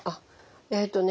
えっとね